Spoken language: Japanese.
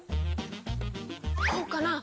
こうかな？